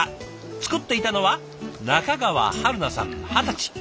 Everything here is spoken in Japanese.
作っていたのは中川春菜さん二十歳。